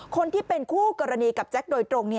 คนที่เป็นคู่กรณีกับแจ็คโดยตรง